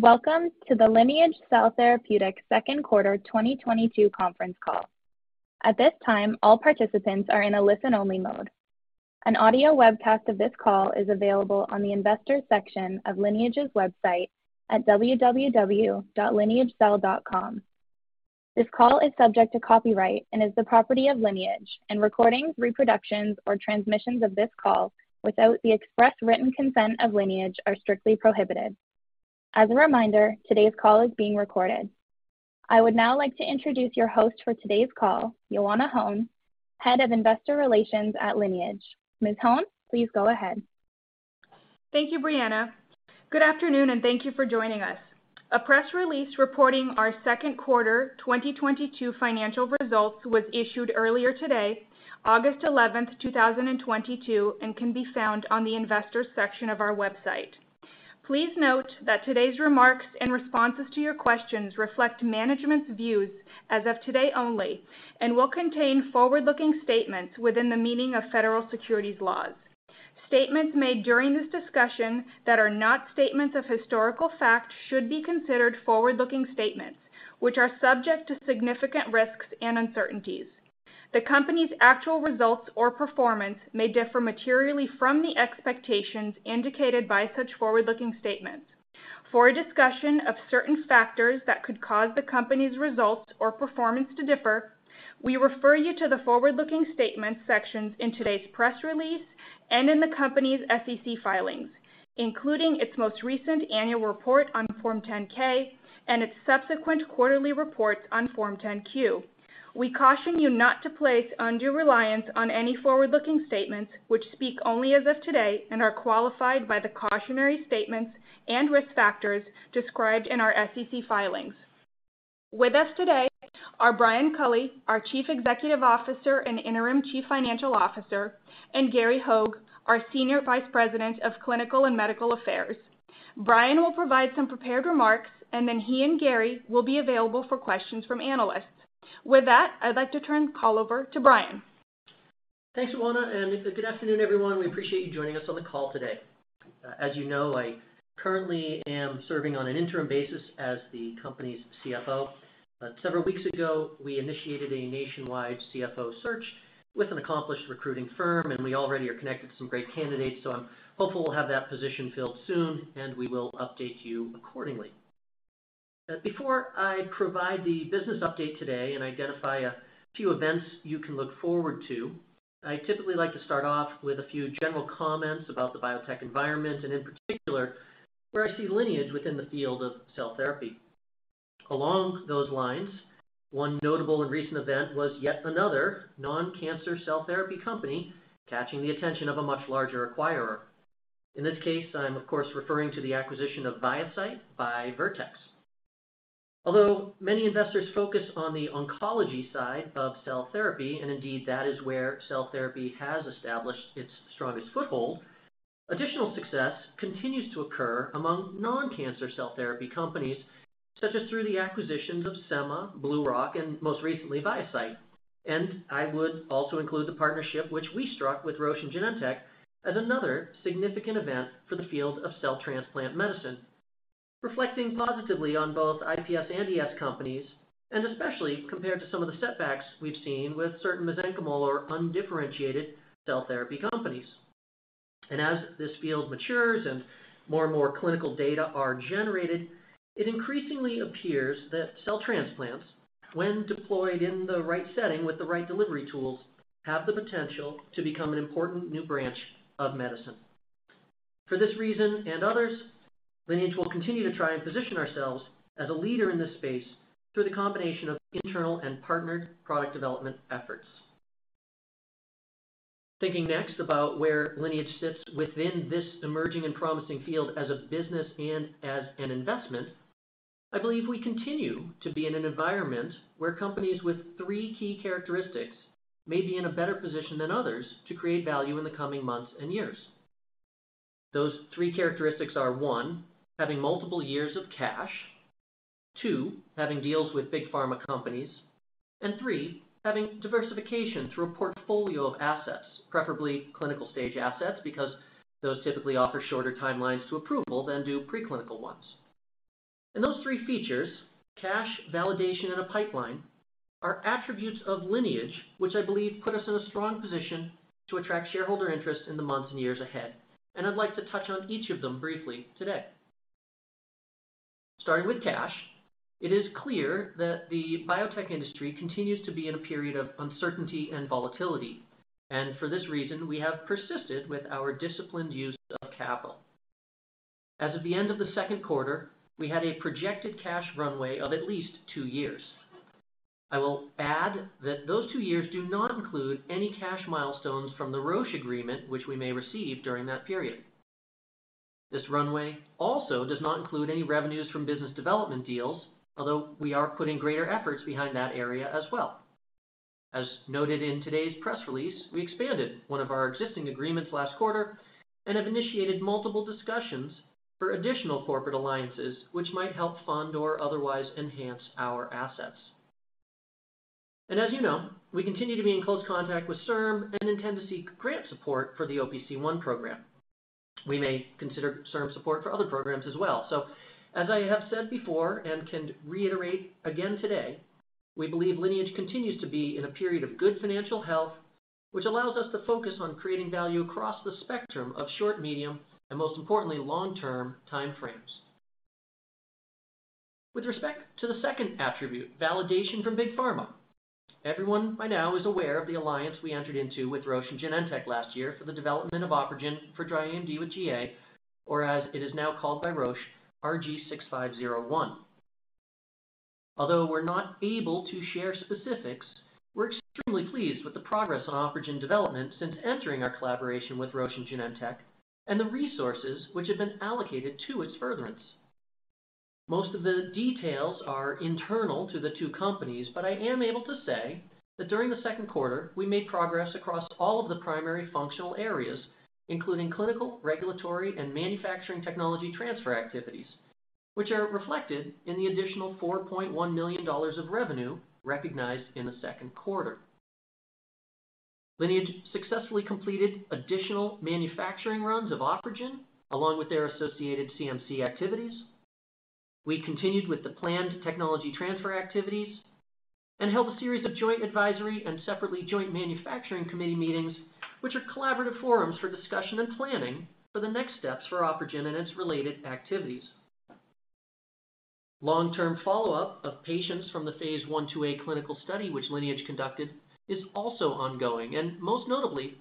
Welcome to the Lineage Cell Therapeutics second quarter 2022 conference call. At this time, all participants are in a listen-only mode. An audio webcast of this call is available on the Investors section of Lineage's website at www.lineagecell.com. This call is subject to copyright and is the property of Lineage, and recordings, reproductions, or transmissions of this call without the express written consent of Lineage are strictly prohibited. As a reminder, today's call is being recorded. I would now like to introduce your host for today's call, Ioana Hone, Head of Investor Relations at Lineage. Ms. Hone, please go ahead. Thank you, Brianna. Good afternoon, and thank you for joining us. A press release reporting our second quarter 2022 financial results was issued earlier today, August 11th, 2022, and can be found on the investors section of our website. Please note that today's remarks and responses to your questions reflect management's views as of today only and will contain forward-looking statements within the meaning of federal securities laws. Statements made during this discussion that are not statements of historical fact should be considered forward-looking statements, which are subject to significant risks and uncertainties. The company's actual results or performance may differ materially from the expectations indicated by such forward-looking statements. For a discussion of certain factors that could cause the company's results or performance to differ, we refer you to the forward-looking statements sections in today's press release and in the company's SEC filings, including its most recent annual report on Form 10-K and its subsequent quarterly reports on Form 10-Q. We caution you not to place undue reliance on any forward-looking statements which speak only as of today and are qualified by the cautionary statements and risk factors described in our SEC filings. With us today are Brian Culley, our Chief Executive Officer and Interim Chief Financial Officer, and Gary Hogge, our Senior Vice President of Clinical and Medical Affairs. Brian will provide some prepared remarks, and then he and Gary will be available for questions from analysts. With that, I'd like to turn the call over to Brian. Thanks, Ioana, and good afternoon, everyone. We appreciate you joining us on the call today. As you know, I currently am serving on an interim basis as the company's CFO. Several weeks ago, we initiated a nationwide CFO search with an accomplished recruiting firm, and we already are connected to some great candidates, so I'm hopeful we'll have that position filled soon, and we will update you accordingly. Before I provide the business update today and identify a few events you can look forward to, I typically like to start off with a few general comments about the biotech environment and in particular where I see Lineage within the field of cell therapy. Along those lines, one notable and recent event was yet another non-cancer cell therapy company catching the attention of a much larger acquirer. In this case, I'm of course referring to the acquisition of Viacyte by Vertex. Although many investors focus on the oncology side of cell therapy, and indeed that is where cell therapy has established its strongest foothold, additional success continues to occur among non-cancer cell therapy companies, such as through the acquisitions of Semma, BlueRock, and most recently Viacyte. I would also include the partnership which we struck with Roche and Genentech as another significant event for the field of cell transplant medicine, reflecting positively on both IPS and ES companies, and especially compared to some of the setbacks we've seen with certain mesenchymal or undifferentiated cell therapy companies. As this field matures and more and more clinical data are generated, it increasingly appears that cell transplants, when deployed in the right setting with the right delivery tools, have the potential to become an important new branch of medicine. For this reason and others, Lineage will continue to try and position ourselves as a leader in this space through the combination of internal and partnered product development efforts. Thinking next about where Lineage sits within this emerging and promising field as a business and as an investment, I believe we continue to be in an environment where companies with three key characteristics may be in a better position than others to create value in the coming months and years. Those three characteristics are, one, having multiple years of cash, two, having deals with big pharma companies, and three, having diversification through a portfolio of assets, preferably clinical-stage assets, because those typically offer shorter timelines to approval than do preclinical ones. Those three features, cash, validation, and a pipeline, are attributes of Lineage which I believe put us in a strong position to attract shareholder interest in the months and years ahead. I'd like to touch on each of them briefly today. Starting with cash, it is clear that the biotech industry continues to be in a period of uncertainty and volatility, and for this reason, we have persisted with our disciplined use of capital. As of the end of the second quarter, we had a projected cash runway of at least two years. I will add that those two years do not include any cash milestones from the Roche agreement which we may receive during that period. This runway also does not include any revenues from business development deals, although we are putting greater efforts behind that area as well. As noted in today's press release, we expanded one of our existing agreements last quarter and have initiated multiple discussions for additional corporate alliances which might help fund or otherwise enhance our assets. As you know, we continue to be in close contact with CIRM and intend to seek grant support for the OPC1 program. We may consider CIRM support for other programs as well. As I have said before and can reiterate again today, we believe Lineage continues to be in a period of good financial health, which allows us to focus on creating value across the spectrum of short, medium, and most importantly, long-term timeframes. With respect to the second attribute, validation from big pharma, everyone by now is aware of the alliance we entered into with Roche and Genentech last year for the development of OpRegen for dry AMD with GA, or as it is now called by Roche, RG6501. Although we're not able to share specifics, we're extremely pleased with the progress on OpRegen development since entering our collaboration with Roche and Genentech and the resources which have been allocated to its furtherance. Most of the details are internal to the two companies, but I am able to say that during the second quarter, we made progress across all of the primary functional areas, including clinical, regulatory, and manufacturing technology transfer activities, which are reflected in the additional $4.1 million of revenue recognized in the second quarter. Lineage successfully completed additional manufacturing runs of OpRegen along with their associated CMC activities. We continued with the planned technology transfer activities and held a series of joint advisory and separately joint manufacturing committee meetings, which are collaborative forums for discussion and planning for the next steps for OpRegen and its related activities. Long-term follow-up of patients from the phase I II-A clinical study which Lineage conducted is also ongoing, and most notably,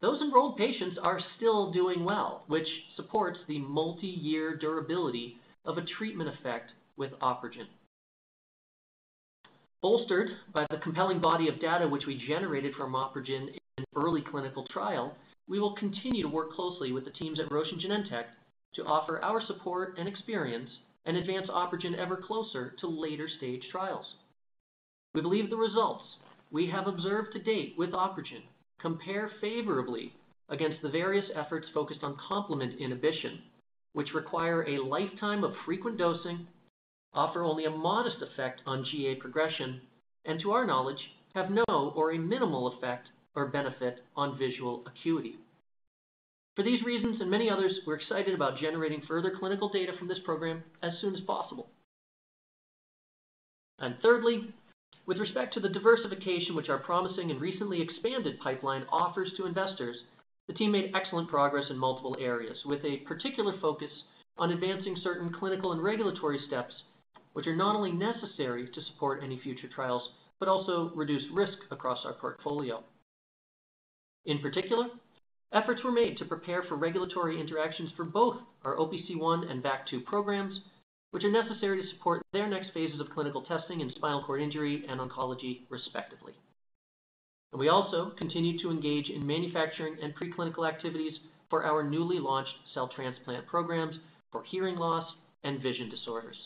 those enrolled patients are still doing well, which supports the multiyear durability of a treatment effect with OpRegen. Bolstered by the compelling body of data which we generated from OpRegen in an early clinical trial, we will continue to work closely with the teams at Roche and Genentech to offer our support and experience and advance OpRegen ever closer to later-stage trials. We believe the results we have observed to date with OpRegen compare favorably against the various efforts focused on complement inhibition, which require a lifetime of frequent dosing, offer only a modest effect on GA progression, and to our knowledge, have no or a minimal effect or benefit on visual acuity. For these reasons and many others, we're excited about generating further clinical data from this program as soon as possible. Thirdly, with respect to the diversification which our promising and recently expanded pipeline offers to investors, the team made excellent progress in multiple areas with a particular focus on advancing certain clinical and regulatory steps which are not only necessary to support any future trials, but also reduce risk across our portfolio. In particular, efforts were made to prepare for regulatory interactions for both our OPC1 and VAC2 programs, which are necessary to support their next phases of clinical testing in spinal cord injury and oncology, respectively. We also continued to engage in manufacturing and preclinical activities for our newly launched cell transplant programs for hearing loss and vision disorders.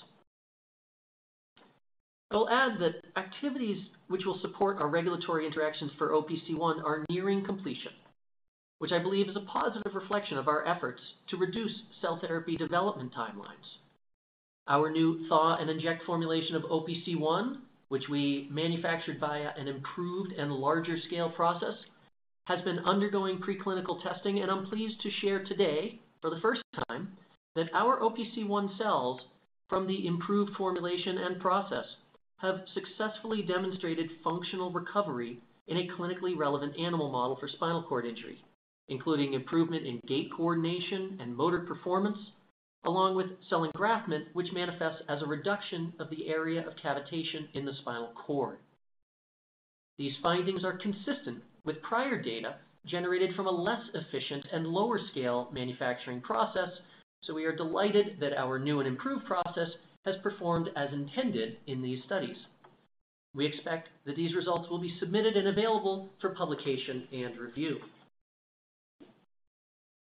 I'll add that activities which will support our regulatory interactions for OPC1 are nearing completion, which I believe is a positive reflection of our efforts to reduce cell therapy development timelines. Our new thaw and inject formulation of OPC1, which we manufactured via an improved and larger scale process, has been undergoing preclinical testing, and I'm pleased to share today for the first time that our OPC1 cells from the improved formulation and process have successfully demonstrated functional recovery in a clinically relevant animal model for spinal cord injury, including improvement in gait coordination and motor performance, along with cell engraftment, which manifests as a reduction of the area of cavitation in the spinal cord. These findings are consistent with prior data generated from a less efficient and lower scale manufacturing process, so we are delighted that our new and improved process has performed as intended in these studies. We expect that these results will be submitted and available for publication and review.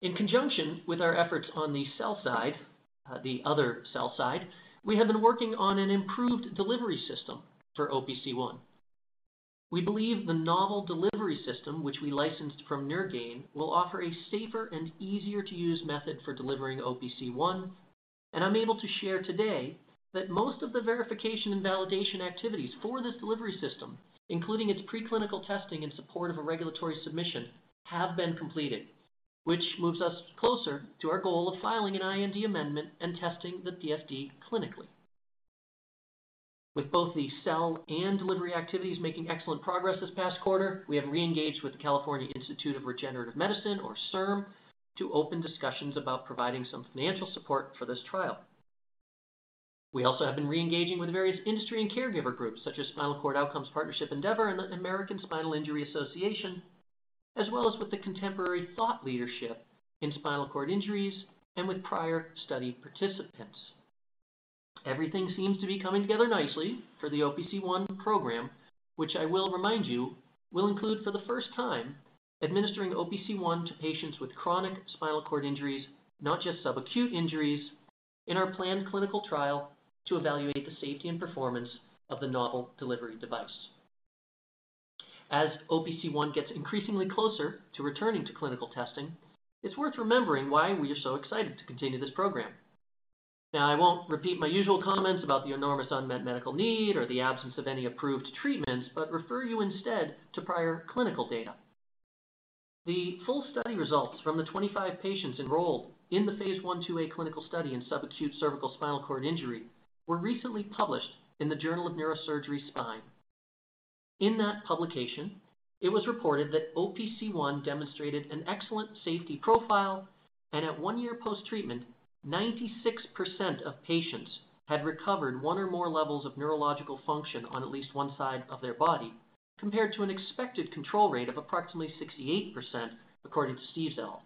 In conjunction with our efforts on the cell side, the other cell side, we have been working on an improved delivery system for OPC1. We believe the novel delivery system, which we licensed from NeuroGain, will offer a safer and easier-to-use method for delivering OPC1, and I'm able to share today that most of the verification and validation activities for this delivery system, including its preclinical testing in support of a regulatory submission, have been completed, which moves us closer to our goal of filing an IND amendment and testing the DFD clinically. With both the cell and delivery activities making excellent progress this past quarter, we have re-engaged with the California Institute of Regenerative Medicine, or CIRM, to open discussions about providing some financial support for this trial. We also have been re-engaging with various industry and caregiver groups such as Spinal Cord Outcomes Partnership Endeavor and the American Spinal Injury Association, as well as with the contemporary thought leadership in spinal cord injuries and with prior study participants. Everything seems to be coming together nicely for the OPC1 program, which I will remind you will include, for the first time, administering OPC1 to patients with chronic spinal cord injuries, not just subacute injuries, in our planned clinical trial to evaluate the safety and performance of the novel delivery device. As OPC1 gets increasingly closer to returning to clinical testing, it's worth remembering why we are so excited to continue this program. Now, I won't repeat my usual comments about the enormous unmet medical need or the absence of any approved treatments, but refer you instead to prior clinical data. The full study results from the 25 patients enrolled in the phase I II-A clinical study in sub-acute cervical spinal cord injury were recently published in the Journal of Neurosurgery: Spine. In that publication, it was reported that OPC1 demonstrated an excellent safety profile, and at one year post-treatment, 96% of patients had recovered one or more levels of neurological function on at least one side of their body, compared to an expected control rate of approximately 68%, according to Steeves et al.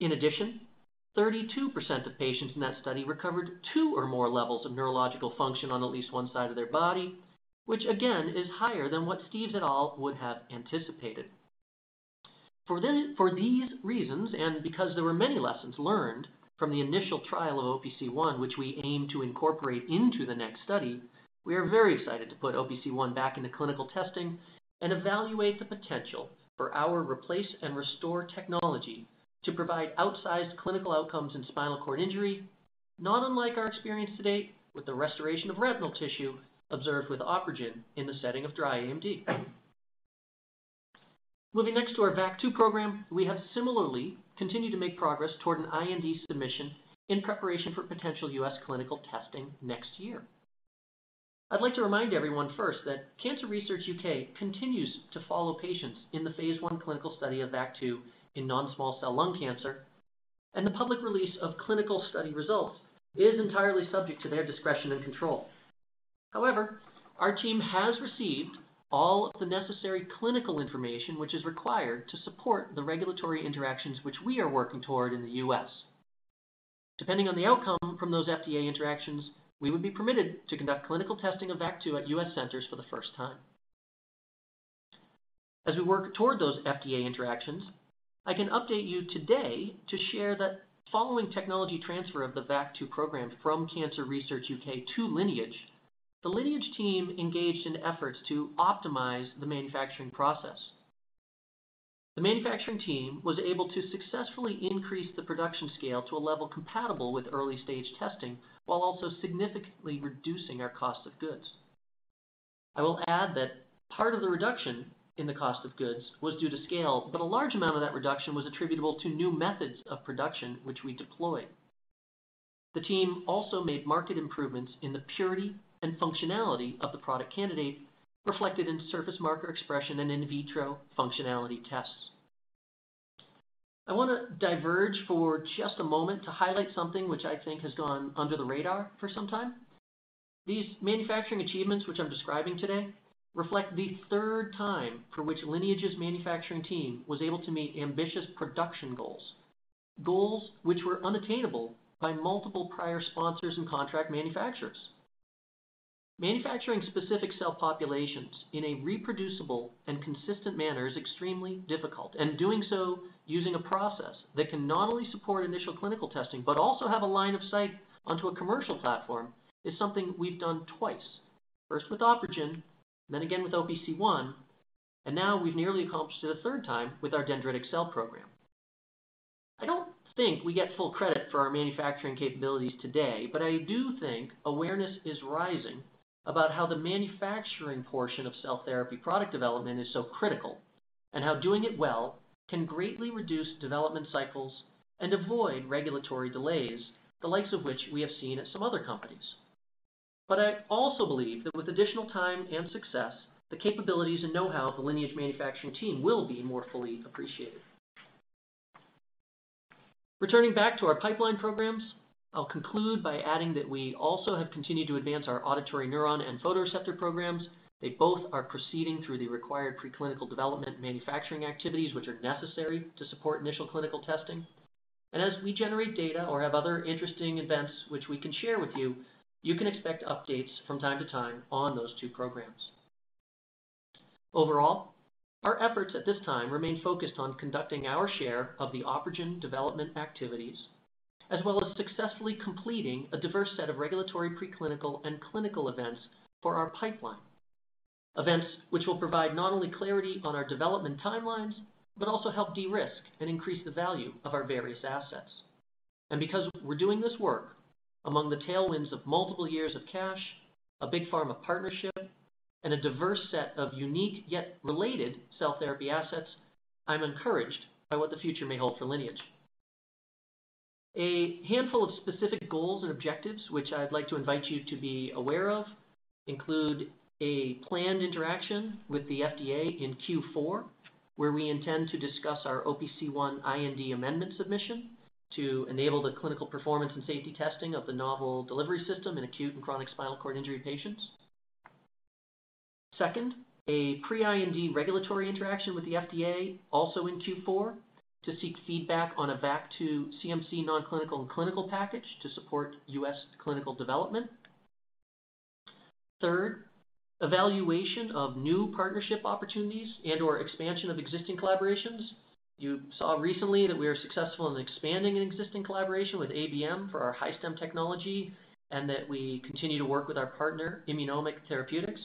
In addition, 32% of patients in that study recovered two or more levels of neurological function on at least one side of their body, which again is higher than what Steeves et al. would have anticipated. For these reasons, and because there were many lessons learned from the initial trial of OPC1, which we aim to incorporate into the next study, we are very excited to put OPC1 back into clinical testing and evaluate the potential for our replace and restore technology to provide outsized clinical outcomes in spinal cord injury, not unlike our experience to date with the restoration of retinal tissue observed with OpRegen in the setting of dry AMD. Moving next to our VAC2 program, we have similarly continued to make progress toward an IND submission in preparation for potential U.S. clinical testing next year. I'd like to remind everyone first that Cancer Research UK continues to follow patients in the phase I clinical study of VAC2 in non-small cell lung cancer, and the public release of clinical study results is entirely subject to their discretion and control. However, our team has received all of the necessary clinical information which is required to support the regulatory interactions which we are working toward in the U.S. Depending on the outcome from those FDA interactions, we would be permitted to conduct clinical testing of VAC2 at U.S. centers for the first time. As we work toward those FDA interactions, I can update you today to share that following technology transfer of the VAC2 program from Cancer Research UK to Lineage, the Lineage team engaged in efforts to optimize the manufacturing process. The manufacturing team was able to successfully increase the production scale to a level compatible with early-stage testing while also significantly reducing our cost of goods. I will add that part of the reduction in the cost of goods was due to scale, but a large amount of that reduction was attributable to new methods of production which we deployed. The team also made marked improvements in the purity and functionality of the product candidate reflected in surface marker expression and in vitro functionality tests. I want to diverge for just a moment to highlight something which I think has gone under the radar for some time. These manufacturing achievements which I'm describing today reflect the third time for which Lineage's manufacturing team was able to meet ambitious production goals which were unattainable by multiple prior sponsors and contract manufacturers. Manufacturing specific cell populations in a reproducible and consistent manner is extremely difficult, and doing so using a process that can not only support initial clinical testing but also have a line of sight onto a commercial platform is something we've done twice, first with OpRegen, then again with OPC1, and now we've nearly accomplished it a third time with our dendritic cell program. I don't think we get full credit for our manufacturing capabilities today, but I do think awareness is rising about how the manufacturing portion of cell therapy product development is so critical and how doing it well can greatly reduce development cycles and avoid regulatory delays, the likes of which we have seen at some other companies. I also believe that with additional time and success, the capabilities and know-how of the Lineage manufacturing team will be more fully appreciated. Returning back to our pipeline programs, I'll conclude by adding that we also have continued to advance our auditory neuron and photoreceptor programs. They both are proceeding through the required preclinical development and manufacturing activities which are necessary to support initial clinical testing. As we generate data or have other interesting events which we can share with you can expect updates from time to time on those two programs. Overall, our efforts at this time remain focused on conducting our share of the OpRegen development activities as well as successfully completing a diverse set of regulatory, preclinical, and clinical events for our pipeline, events which will provide not only clarity on our development timelines but also help de-risk and increase the value of our various assets. Because we're doing this work among the tailwinds of multiple years of cash, a big pharma partnership, and a diverse set of unique yet related cell therapy assets, I'm encouraged by what the future may hold for Lineage. A handful of specific goals and objectives which I'd like to invite you to be aware of include a planned interaction with the FDA in Q4, where we intend to discuss our OPC1 IND amendment submission to enable the clinical performance and safety testing of the novel delivery system in acute and chronic spinal cord injury patients. Second, a pre-IND regulatory interaction with the FDA, also in Q4, to seek feedback on a VAC2 CMC non-clinical and clinical package to support U.S. clinical development. Third, evaluation of new partnership opportunities and/or expansion of existing collaborations. You saw recently that we are successful in expanding an existing collaboration with ABM for our HyStem technology and that we continue to work with our partner, Immunomic Therapeutics.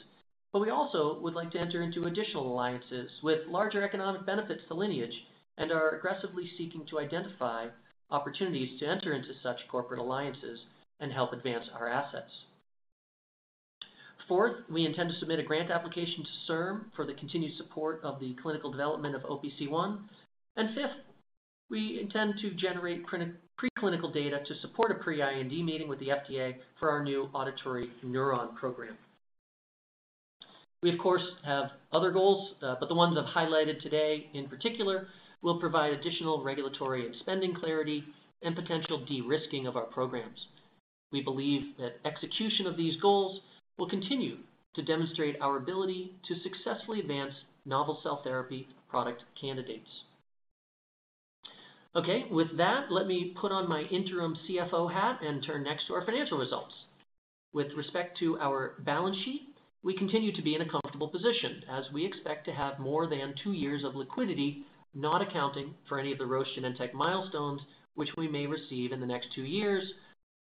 We also would like to enter into additional alliances with larger economic benefits to Lineage and are aggressively seeking to identify opportunities to enter into such corporate alliances and help advance our assets. Fourth, we intend to submit a grant application to CIRM for the continued support of the clinical development of OPC1. Fifth, we intend to generate preclinical data to support a pre-IND meeting with the FDA for our new auditory neuron program. We of course have other goals, but the ones I've highlighted today in particular will provide additional regulatory and spending clarity and potential de-risking of our programs. We believe that execution of these goals will continue to demonstrate our ability to successfully advance novel cell therapy product candidates. Okay. With that, let me put on my interim CFO hat and turn next to our financial results. With respect to our balance sheet, we continue to be in a comfortable position as we expect to have more than two years of liquidity, not accounting for any of the Roche Genentech milestones, which we may receive in the next two years,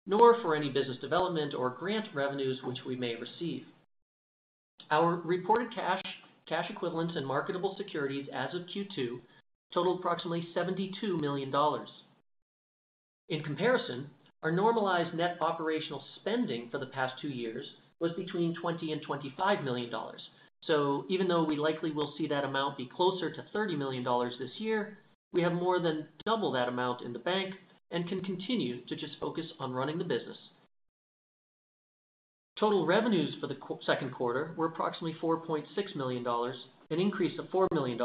nor for any business development or grant revenues which we may receive. Our reported cash equivalents, and marketable securities as of Q2 totaled approximately $72 million. In comparison, our normalized net operational spending for the past two years was between $20 million and $25 million. Even though we likely will see that amount be closer to $30 million this year, we have more than double that amount in the bank and can continue to just focus on running the business. Total revenues for the second quarter were approximately $4.6 million, an increase of $4 million,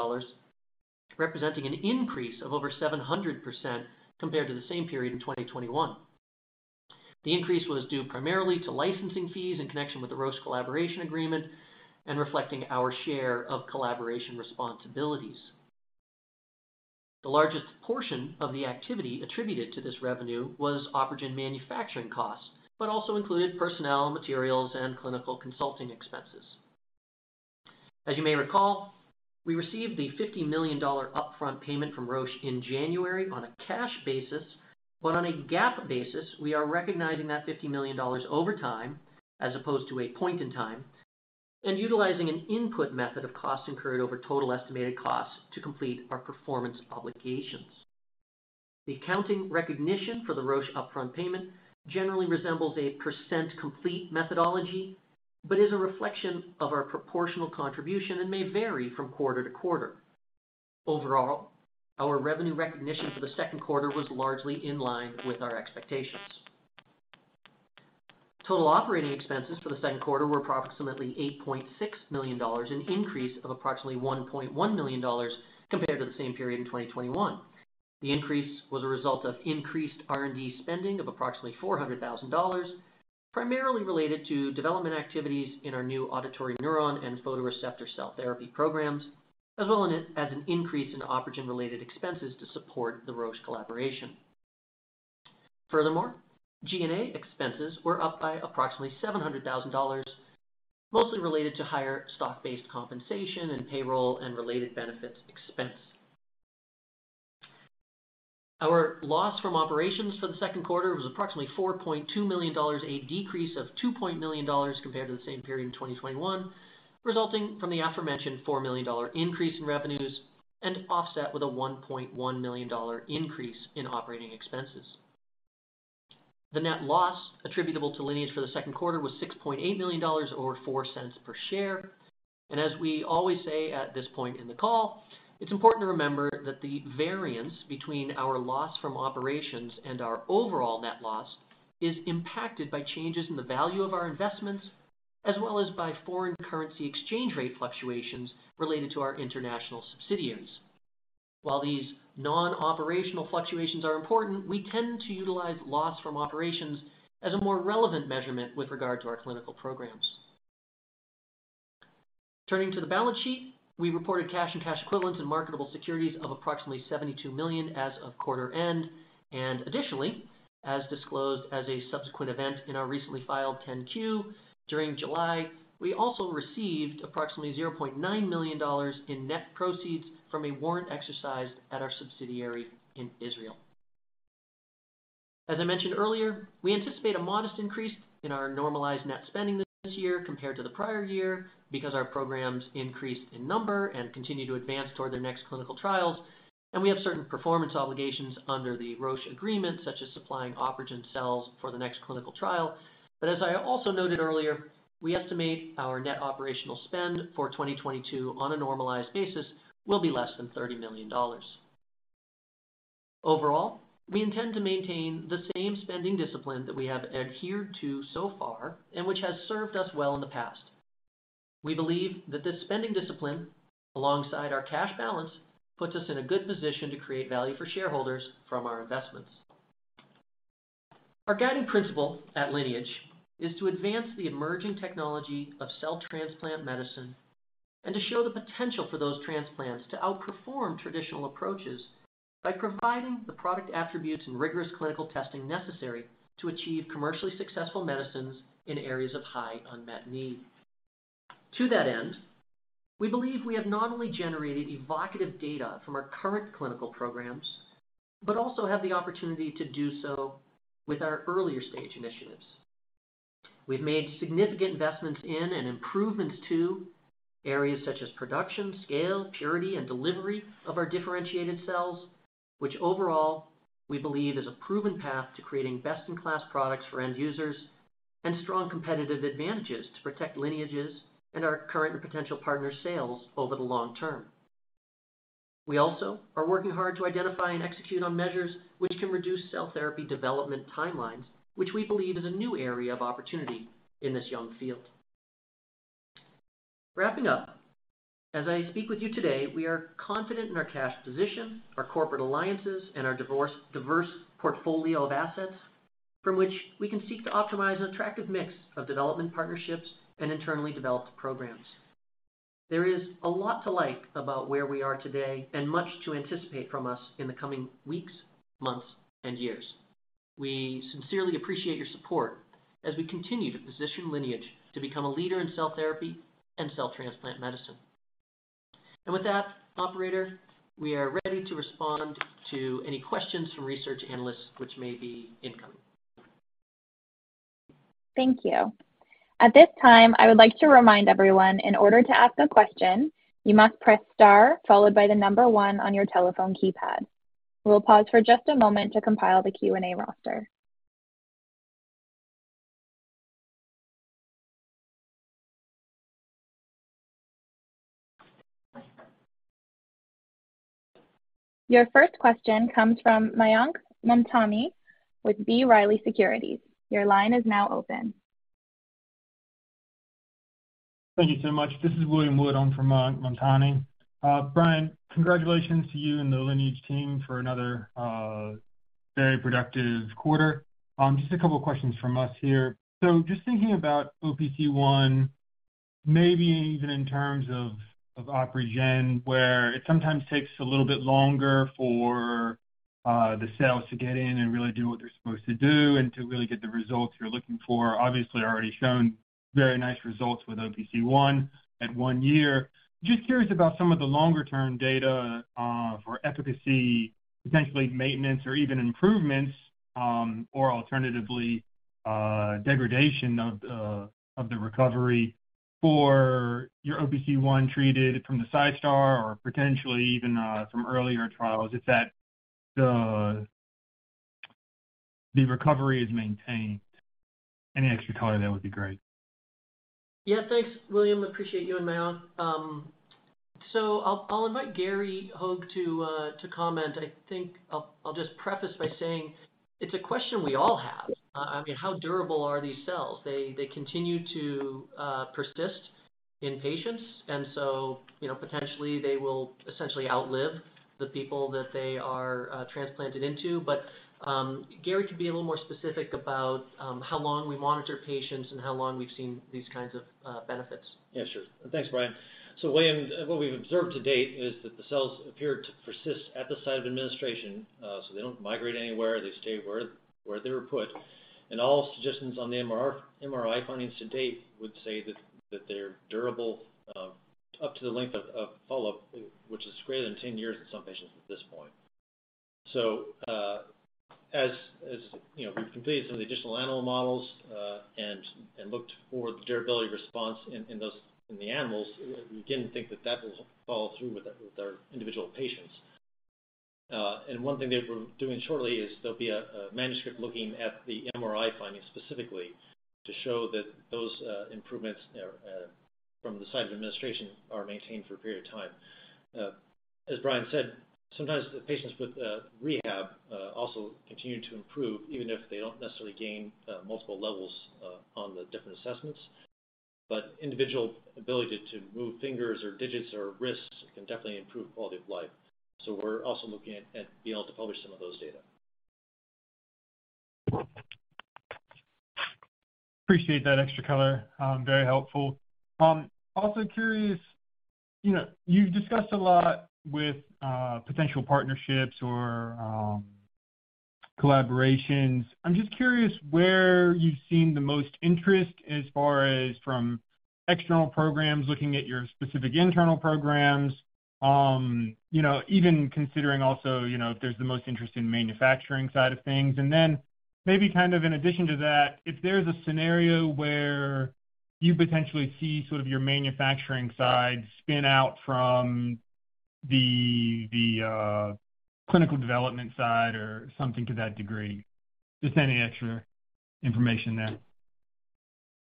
representing an increase of over 700% compared to the same period in 2021. The increase was due primarily to licensing fees in connection with the Roche collaboration agreement and reflecting our share of collaboration responsibilities. The largest portion of the activity attributed to this revenue was OpRegen manufacturing costs, but also included personnel, materials, and clinical consulting expenses. As you may recall, we received the $50 million upfront payment from Roche in January on a cash basis, but on a GAAP basis, we are recognizing that $50 million over time as opposed to a point in time, and utilizing an input method of costs incurred over total estimated costs to complete our performance obligations. The accounting recognition for the Roche upfront payment generally resembles a percent complete methodology, but is a reflection of our proportional contribution and may vary from quarter to quarter. Overall, our revenue recognition for the second quarter was largely in line with our expectations. Total operating expenses for the second quarter were approximately $8.6 million, an increase of approximately $1.1 million compared to the same period in 2021. The increase was a result of increased R&D spending of approximately $400 thousand, primarily related to development activities in our new auditory neuron and photoreceptor cell therapy programs, as well as an increase in OpRegen-related expenses to support the Roche collaboration. Furthermore, G&A expenses were up by approximately $700 thousand, mostly related to higher stock-based compensation and payroll and related benefits expense. Our loss from operations for the second quarter was approximately $4.2 million, a decrease of $2 million compared to the same period in 2021, resulting from the aforementioned $4 million increase in revenues and offset with a $1.1 million increase in operating expenses. The net loss attributable to Lineage for the second quarter was $6.8 million or $0.04 per share. As we always say at this point in the call, it's important to remember that the variance between our loss from operations and our overall net loss is impacted by changes in the value of our investments, as well as by foreign currency exchange rate fluctuations related to our international subsidiaries. While these non-operational fluctuations are important, we tend to utilize loss from operations as a more relevant measurement with regard to our clinical programs. Turning to the balance sheet, we reported cash and cash equivalents and marketable securities of approximately $72 million as of quarter end. Additionally, as disclosed as a subsequent event in our recently filed 10-Q, during July, we also received approximately $0.9 million in net proceeds from a warrant exercise at our subsidiary in Israel. As I mentioned earlier, we anticipate a modest increase in our normalized net spending this year compared to the prior year because our programs increased in number and continue to advance toward their next clinical trials, and we have certain performance obligations under the Roche agreement, such as supplying OpRegen cells for the next clinical trial. As I also noted earlier, we estimate our net operational spend for 2022 on a normalized basis will be less than $30 million. Overall, we intend to maintain the same spending discipline that we have adhered to so far and which has served us well in the past. We believe that this spending discipline, alongside our cash balance, puts us in a good position to create value for shareholders from our investments. Our guiding principle at Lineage is to advance the emerging technology of cell transplant medicine and to show the potential for those transplants to outperform traditional approaches by providing the product attributes and rigorous clinical testing necessary to achieve commercially successful medicines in areas of high unmet need. To that end, we believe we have not only generated evocative data from our current clinical programs, but also have the opportunity to do so with our earlier stage initiatives. We've made significant investments in and improvements to areas such as production, scale, purity, and delivery of our differentiated cells, which overall we believe is a proven path to creating best-in-class products for end users and strong competitive advantages to protect Lineage's and our current and potential partners' sales over the long term. We also are working hard to identify and execute on measures which can reduce cell therapy development timelines, which we believe is a new area of opportunity in this young field. Wrapping up, as I speak with you today, we are confident in our cash position, our corporate alliances, and our diverse portfolio of assets from which we can seek to optimize an attractive mix of development partnerships and internally developed programs. There is a lot to like about where we are today and much to anticipate from us in the coming weeks, months, and years. We sincerely appreciate your support as we continue to position Lineage to become a leader in cell therapy and cell transplant medicine. With that, operator, we are ready to respond to any questions from research analysts which may be incoming. Thank you. At this time, I would like to remind everyone in order to ask a question, you must press star followed by the number one on your telephone keypad. We'll pause for just a moment to compile the Q&A roster. Your first question comes from Mayank Mamtani with B. Riley Securities. Your line is now open. Thank you so much. This is William Wood on for Mayank Mamtani. Brian, congratulations to you and the Lineage team for another very productive quarter. Just a couple questions from us here. Just thinking about OPC1, maybe even in terms of OpRegen, where it sometimes takes a little bit longer for the cells to get in and really do what they're supposed to do and to really get the results you're looking for. Obviously already shown very nice results with OPC1 at one year. Just curious about some of the longer-term data for efficacy, potentially maintenance or even improvements, or alternatively degradation of the recovery for your OPC1 treated from the SCiStar or potentially even from earlier trials if the recovery is maintained. Any extra color, that would be great. Yeah, thanks William. Appreciate you and Mayank. So I'll invite Gary Hogge to comment. I think I'll just preface by saying it's a question we all have. I mean, how durable are these cells? They continue to persist in patients and so, you know, potentially they will essentially outlive the people that they are transplanted into. Gary could be a little more specific about how long we monitor patients and how long we've seen these kinds of benefits. Yeah, sure. Thanks, Brian. William, what we've observed to date is that the cells appear to persist at the site of administration, so they don't migrate anywhere, they stay where they were put, and all suggestions on the MRI findings to date would say that they're durable, up to the length of follow-up, which is greater than 10 years in some patients at this point. As you know, we've completed some of the additional animal models, and looked for the durability response in those animals. We begin to think that will follow through with our individual patients. One thing that we're doing shortly is there'll be a manuscript looking at the MRI findings specifically to show that those improvements from the site of administration are maintained for a period of time. As Brian said, sometimes the patients with rehab also continue to improve even if they don't necessarily gain multiple levels on the different assessments. Individual ability to move fingers or digits or wrists can definitely improve quality of life. We're also looking at being able to publish some of those data. Appreciate that extra color, very helpful. Also curious, you know, you've discussed a lot with potential partnerships or collaborations. I'm just curious where you've seen the most interest as far as from external programs looking at your specific internal programs, you know, even considering also, you know, if there's the most interest in manufacturing side of things. Then maybe kind of in addition to that, if there's a scenario where you potentially see sort of your manufacturing side spin out from the clinical development side or something to that degree. Just any extra information there.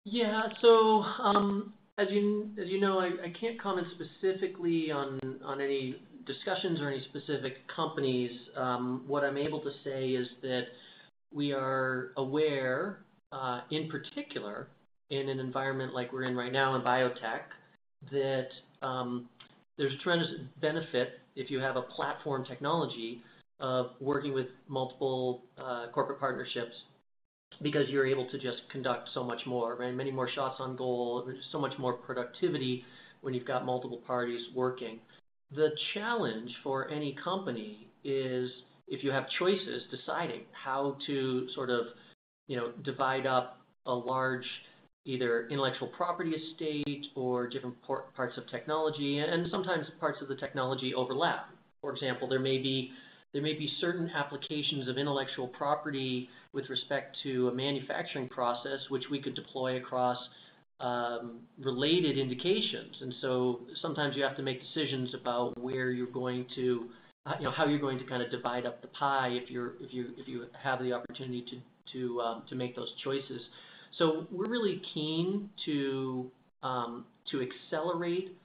Yeah. As you know, I can't comment specifically on any discussions or any specific companies. What I'm able to say is that we are aware, in particular in an environment like we're in right now in biotech, that there's tremendous benefit if you have a platform technology of working with multiple corporate partnerships because you're able to just conduct so much more and many more shots on goal. There's so much more productivity when you've got multiple parties working. The challenge for any company is if you have choices, deciding how to sort of, you know, divide up a large either intellectual property estate or different parts of technology and sometimes parts of the technology overlap. For example, there may be certain applications of intellectual property with respect to a manufacturing process which we could deploy across related indications. Sometimes you have to make decisions about where you're going to you know, how you're going to kinda divide up the pie if you have the opportunity to make those choices. We're really keen to accelerate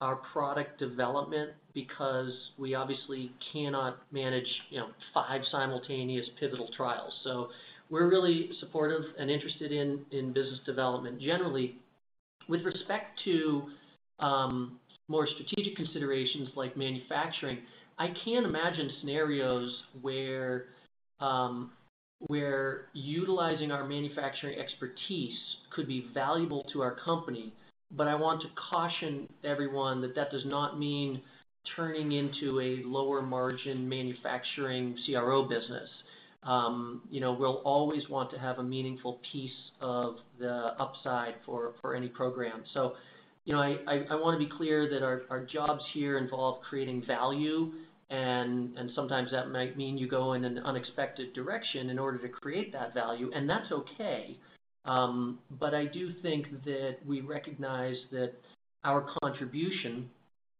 our product development because we obviously cannot manage you know, five simultaneous pivotal trials. We're really supportive and interested in business development. Generally, with respect to more strategic considerations like manufacturing, I can imagine scenarios where utilizing our manufacturing expertise could be valuable to our company, but I want to caution everyone that that does not mean turning into a lower margin manufacturing CRO business. You know, we'll always want to have a meaningful piece of the upside for any program. You know, I wanna be clear that our jobs here involve creating value and sometimes that might mean you go in an unexpected direction in order to create that value, and that's okay. I do think that we recognize that our contribution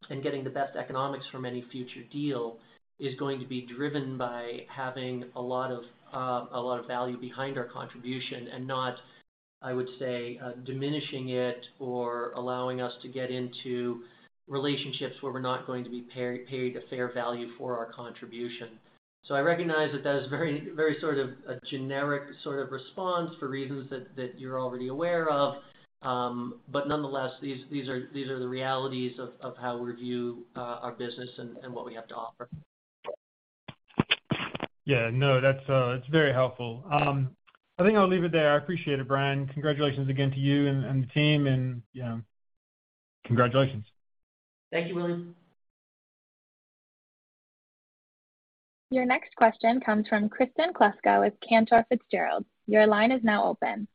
in getting the best economics from any future deal is going to be driven by having a lot of value behind our contribution and not, I would say, diminishing it or allowing us to get into relationships where we're not going to be paid a fair value for our contribution. I recognize that that is very sort of a generic sort of response for reasons that you're already aware of. Nonetheless, these are the realities of how we view our business and what we have to offer. Yeah, no, that's, it's very helpful. I think I'll leave it there. I appreciate it, Brian. Congratulations again to you and the team, yeah, congratulations. Thank you, William. Your next question comes from Kristen Kluska with Cantor Fitzgerald. Your line is now open.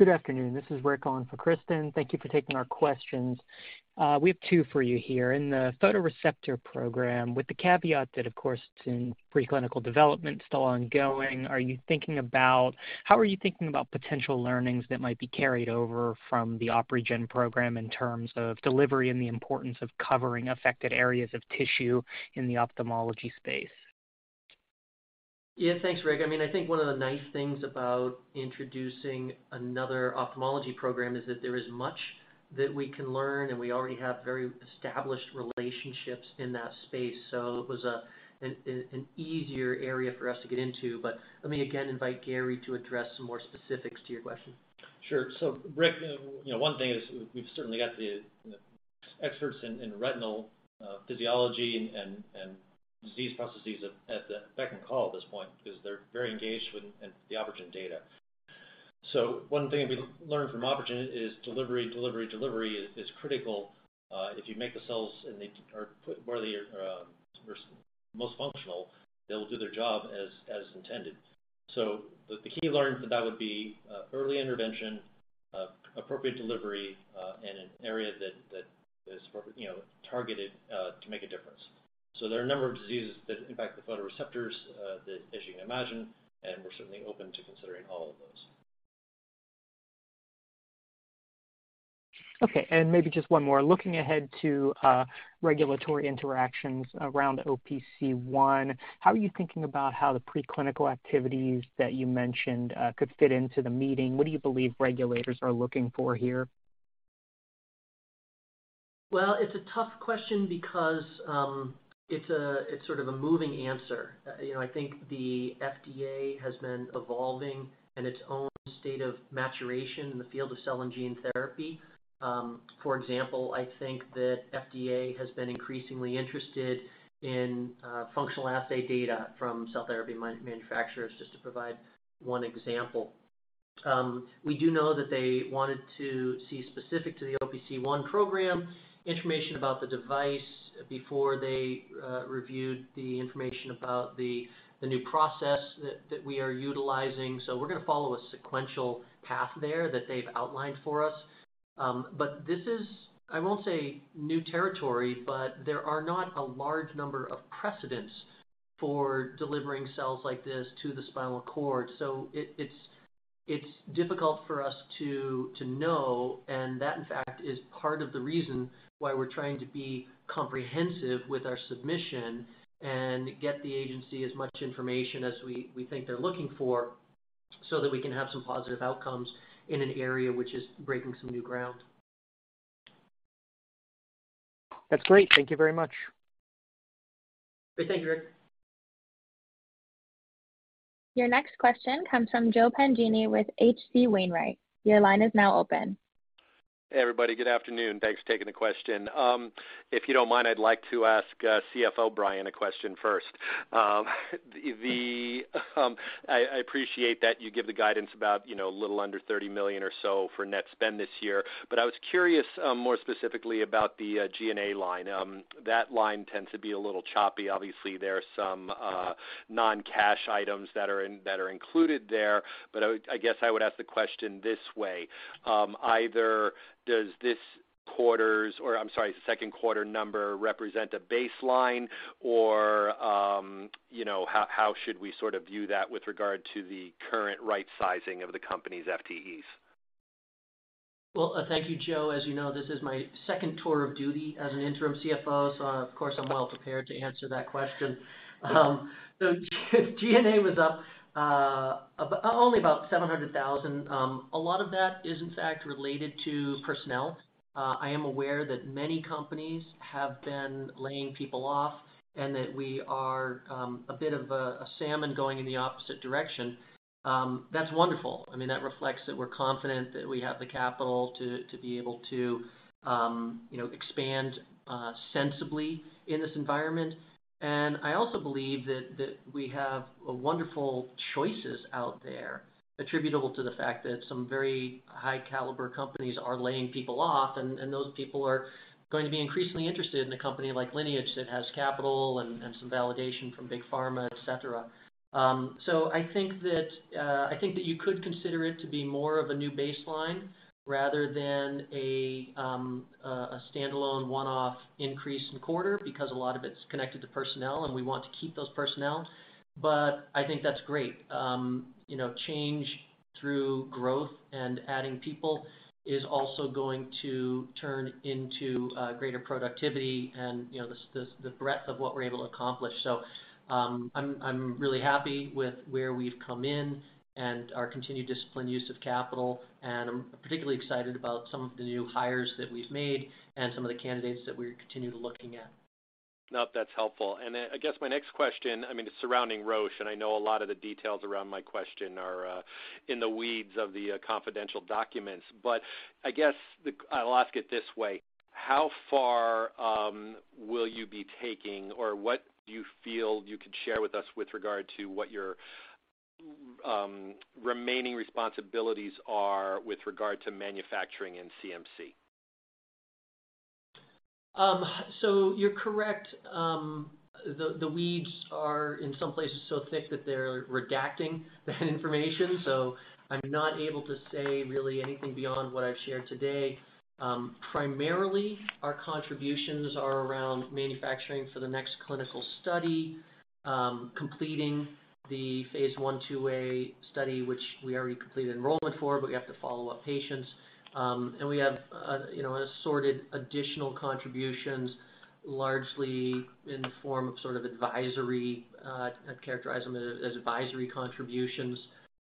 Good afternoon. This is Rick on for Kristen. Thank you for taking our questions. We have two for you here. In the photoreceptor program, with the caveat that of course it's in preclinical development, still ongoing, how are you thinking about potential learnings that might be carried over from the OpRegen program in terms of delivery and the importance of covering affected areas of tissue in the ophthalmology space? Yeah, thanks, Rick. I mean, I think one of the nice things about introducing another ophthalmology program is that there is much that we can learn, and we already have very established relationships in that space. It was an easier area for us to get into. Let me again invite Gary to address some more specifics to your question. Sure. Rick, you know, one thing is we've certainly got the experts in retinal physiology and disease processes at the beck and call at this point, 'cause they're very engaged with the OpRegen data. One thing we learned from OpRegen is delivery is critical. If you make the cells and they are put where they are most functional, they'll do their job as intended. The key learnings for that would be early intervention, appropriate delivery in an area that is, you know, targeted to make a difference. There are a number of diseases that impact the photoreceptors that as you can imagine, and we're certainly open to considering all of those. Okay, maybe just one more. Looking ahead to regulatory interactions around OPC1, how are you thinking about how the preclinical activities that you mentioned could fit into the meeting? What do you believe regulators are looking for here? Well, it's a tough question because, it's sort of a moving answer. You know, I think the FDA has been evolving in its own state of maturation in the field of cell and gene therapy. For example, I think that FDA has been increasingly interested in, functional assay data from cell therapy manufacturers, just to provide one example. We do know that they wanted to see, specific to the OPC1 program, information about the device before they, reviewed the information about the new process that we are utilizing. We're gonna follow a sequential path there that they've outlined for us. This is, I won't say new territory, but there are not a large number of precedents for delivering cells like this to the spinal cord. It's difficult for us to know, and that in fact is part of the reason why we're trying to be comprehensive with our submission and get the agency as much information as we think they're looking for so that we can have some positive outcomes in an area which is breaking some new ground. That's great. Thank you very much. Great. Thank you, Rick. Your next question comes from Joe Pantginis with H.C. Wainwright. Your line is now open. Hey, everybody. Good afternoon. Thanks for taking the question. If you don't mind, I'd like to ask CFO Brian a question first. I appreciate that you give the guidance about, you know, a little under $30 million or so for net spend this year, but I was curious more specifically about the G&A line. That line tends to be a little choppy. Obviously, there are some non-cash items that are included there, but I guess I would ask the question this way. Second quarter number represent a baseline or, you know, how should we sort of view that with regard to the current right sizing of the company's FTEs? Well, thank you, Joe. As you know, this is my second tour of duty as an interim CFO, so of course, I'm well prepared to answer that question. G&A was up about $700,000. A lot of that is in fact related to personnel. I am aware that many companies have been laying people off and that we are a bit of a salmon going in the opposite direction. That's wonderful. I mean, that reflects that we're confident that we have the capital to be able to you know, expand sensibly in this environment. I also believe that we have wonderful choices out there attributable to the fact that some very high caliber companies are laying people off, and those people are going to be increasingly interested in a company like Lineage that has capital and some validation from big pharma, et cetera. So I think that I think that you could consider it to be more of a new baseline rather than a a standalone one-off increase in quarter because a lot of it's connected to personnel, and we want to keep those personnel. I think that's great. You know, change through growth and adding people is also going to turn into greater productivity and, you know, the breadth of what we're able to accomplish. I'm really happy with where we've come in and our continued disciplined use of capital, and I'm particularly excited about some of the new hires that we've made and some of the candidates that we're continuing looking at. No, that's helpful. Then I guess my next question, I mean, it's surrounding Roche, and I know a lot of the details around my question are in the weeds of the confidential documents. I guess I'll ask it this way. How far will you be taking, or what do you feel you could share with us with regard to what your remaining responsibilities are with regard to manufacturing in CMC? You're correct. The weeds are in some places so thick that they're redacting that information, so I'm not able to say really anything beyond what I've shared today. Primarily, our contributions are around manufacturing for the next clinical study, completing the phase I II-A study, which we already completed enrollment for, but we have to follow up patients. We have, you know, assorted additional contributions, largely in the form of sort of advisory. I'd characterize them as advisory contributions.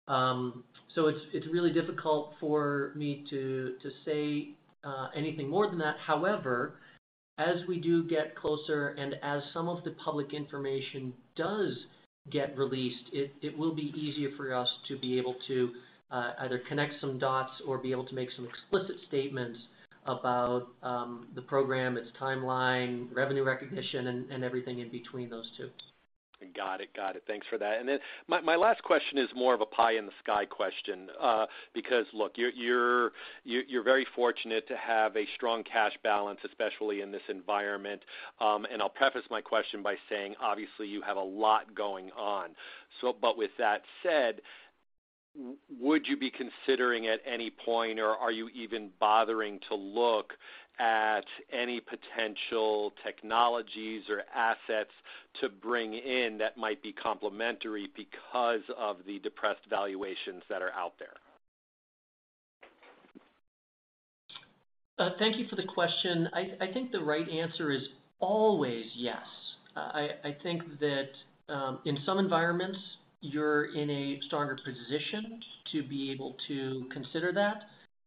It's really difficult for me to say anything more than that. However, as we do get closer and as some of the public information does get released, it will be easier for us to be able to either connect some dots or be able to make some explicit statements about the program, its timeline, revenue recognition, and everything in between those two. Got it. Got it. Thanks for that. My last question is more of a pie in the sky question. Because look, you're very fortunate to have a strong cash balance, especially in this environment. I'll preface my question by saying, obviously, you have a lot going on. With that said, would you be considering at any point or are you even bothering to look at any potential technologies or assets to bring in that might be complementary because of the depressed valuations that are out there? Thank you for the question. I think the right answer is always yes. I think that in some environments, you're in a stronger position to be able to consider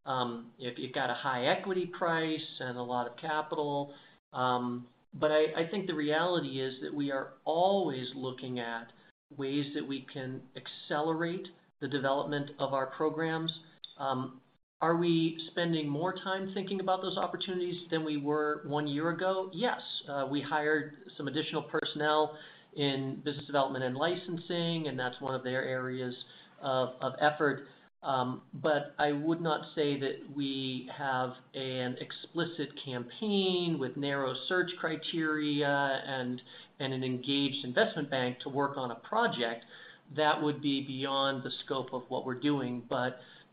that if you've got a high equity price and a lot of capital. I think the reality is that we are always looking at ways that we can accelerate the development of our programs. Are we spending more time thinking about those opportunities than we were one year ago? Yes. We hired some additional personnel in business development and licensing, and that's one of their areas of effort. I would not say that we have an explicit campaign with narrow search criteria and an engaged investment bank to work on a project that would be beyond the scope of what we're doing.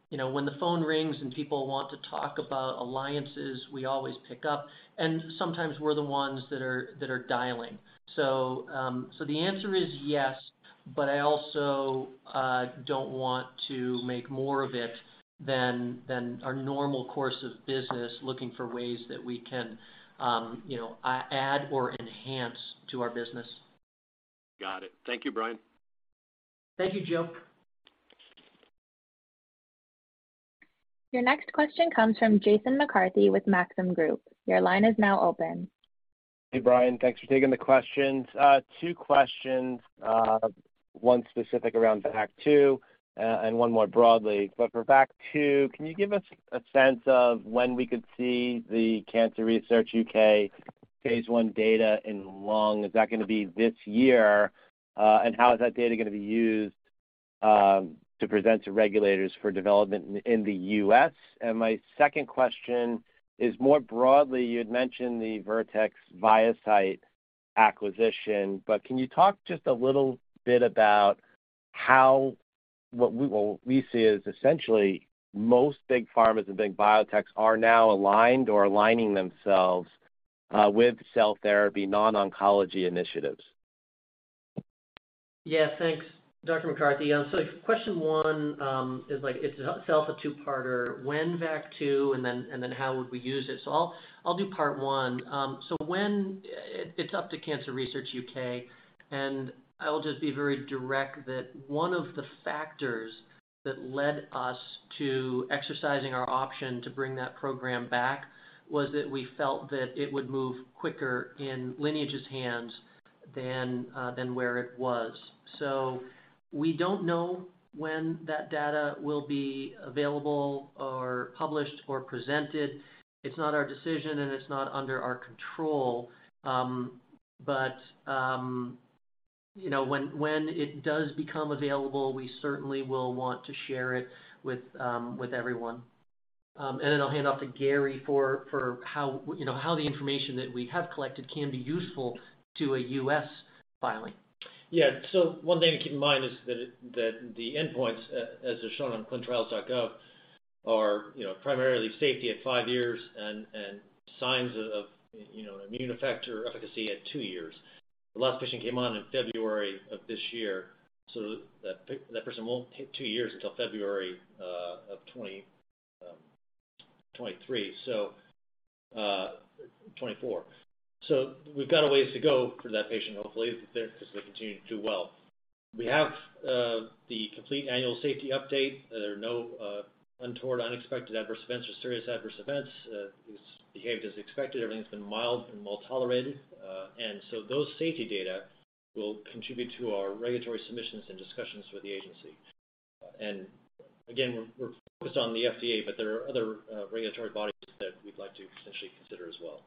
You know, when the phone rings and people want to talk about alliances, we always pick up, and sometimes we're the ones that are dialing. The answer is yes, but I also don't want to make more of it than our normal course of business, looking for ways that we can, you know, add or enhance to our business. Got it. Thank you, Brian. Thank you, Joe. Your next question comes from Jason McCarthy with Maxim Group. Your line is now open. Hey, Brian. Thanks for taking the questions. Two questions. One specific around VAC2, and one more broadly. For VAC2, can you give us a sense of when we could see the Cancer Research UK phase I data in lung? Is that gonna be this year? And how is that data gonna be used to present to regulators for development in the U.S.? My second question is more broadly, you had mentioned the Vertex Viacyte acquisition, but can you talk just a little bit about how what we see is essentially most big pharmas and big biotechs are now aligned or aligning themselves with cell therapy non-oncology initiatives. Yeah, thanks, Dr. McCarthy. So question one is like it's itself a two-parter. When VAC2 and then how would we use it? I'll do part one. So when it's up to Cancer Research UK, and I'll just be very direct that one of the factors that led us to exercising our option to bring that program back was that we felt that it would move quicker in Lineage's hands than where it was. We don't know when that data will be available or published or presented. It's not our decision, and it's not under our control. You know, when it does become available, we certainly will want to share it with everyone. I'll hand off to Gary for how, you know, how the information that we have collected can be useful to a U.S. filing. One thing to keep in mind is that the endpoints as they're shown on ClinicalTrials.gov are, you know, primarily safety at five years and signs of immune effector efficacy at two years. The last patient came on in February of this year, so that person won't hit two years until February of 2024. We've got a ways to go for that patient, hopefully there, 'cause they continue to do well. We have the complete annual safety update. There are no untoward, unexpected adverse events or serious adverse events. It's behaved as expected. Everything's been mild and well-tolerated. Those safety data will contribute to our regulatory submissions and discussions with the agency. Again, we're focused on the FDA, but there are other regulatory bodies that we'd like to potentially consider as well.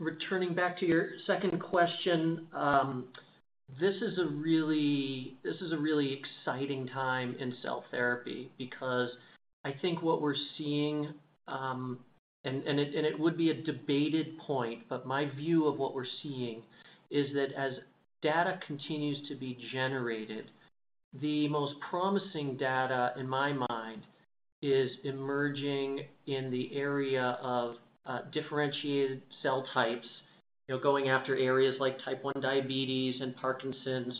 Returning back to your second question, this is a really exciting time in cell therapy because I think what we're seeing, it would be a debated point, but my view of what we're seeing is that as data continues to be generated, the most promising data, in my mind, is emerging in the area of differentiated cell types, you know, going after areas like type one diabetes and Parkinson's.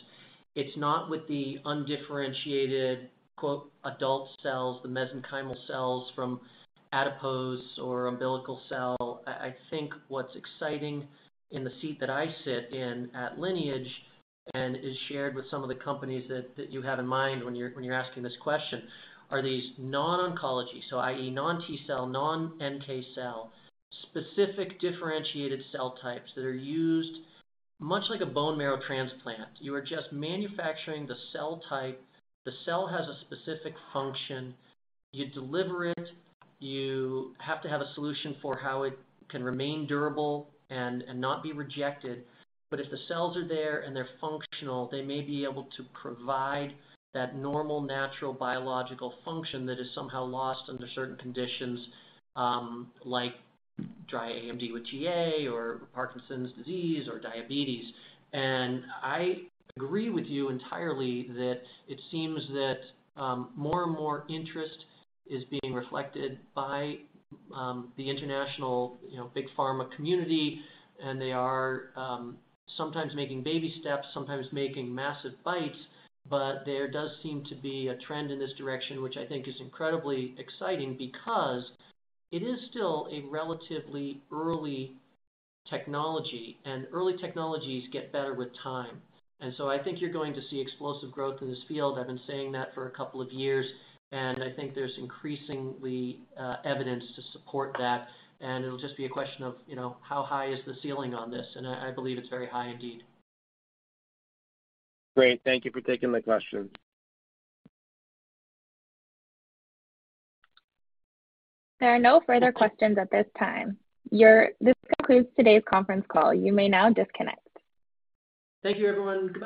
It's not with the undifferentiated, quote, "adult cells," the mesenchymal cells from adipose or umbilical cell. I think what's exciting in the seat that I sit in at Lineage, and is shared with some of the companies that you have in mind when you're asking this question, are these non-oncology, so i.e., non-T cell, non-NK cell, specific differentiated cell types that are used much like a bone marrow transplant. You are just manufacturing the cell type. The cell has a specific function. You deliver it. You have to have a solution for how it can remain durable and not be rejected. If the cells are there and they're functional, they may be able to provide that normal, natural biological function that is somehow lost under certain conditions, like dry AMD with GA or Parkinson's disease or diabetes. I agree with you entirely that it seems that, more and more interest is being reflected by, the international, you know, big pharma community, and they are, sometimes making baby steps, sometimes making massive bites. But there does seem to be a trend in this direction, which I think is incredibly exciting because it is still a relatively early technology, and early technologies get better with time. I think you're going to see explosive growth in this field. I've been saying that for a couple of years, and I think there's increasingly, evidence to support that, and it'll just be a question of, you know, how high is the ceiling on this? I believe it's very high indeed. Great. Thank you for taking my question. There are no further questions at this time. This concludes today's conference call. You may now disconnect. Thank you, everyone.